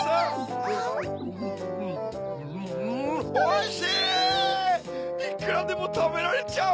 いくらでもたべられちゃう！